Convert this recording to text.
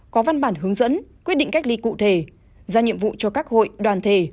có văn bản hướng dẫn quyết định cách ly cụ thể ra nhiệm vụ cho các hội đoàn thể